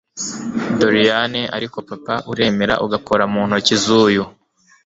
Doliane ariko papa uremera ugakora muntoki zuyu